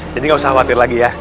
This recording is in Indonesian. jadi nggak usah khawatir lagi ya